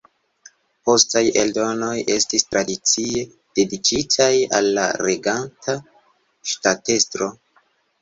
Postaj eldonoj estis tradicie dediĉitaj al la reganta ŝtatestro.